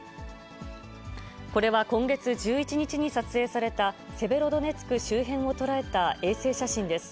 これは今月１１日に撮影されたセベロドネツク周辺を捉えた衛星写真です。